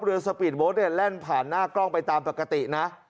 สปีดโบ๊ทเนี่ยแล่นผ่านหน้ากล้องไปตามปกตินะ